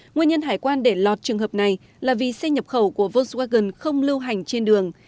nguyên nhân hải quan để lọt trường hợp này là vì xe nhập khẩu của volkswagen không lưu hành trên đường